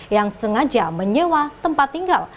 yang sengaja menyewa tempat tinggal